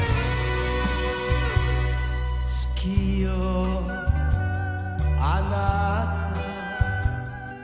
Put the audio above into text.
「好きよあなた」